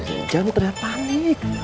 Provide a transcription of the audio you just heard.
jangan terlalu panik